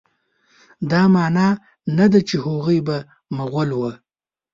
دا معنی نه ده چې هغوی به مغول وه.